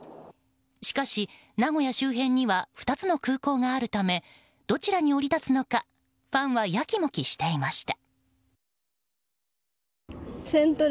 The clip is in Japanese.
しかし、名古屋周辺には２つの空港があるためどちらに降り立つのかファンはやきもきしていました。